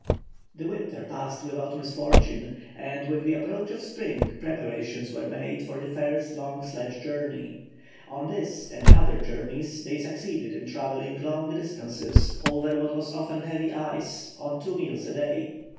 The winter passed without misfortune, and with the approach of spring preparations were made for the first long sledge journey. On this, and other journeys, they succeeded in travelling long distances over what was often heavy ice, on two meals a day.